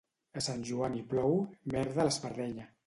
A Sant Joan hi plou, merda a l'espardenya.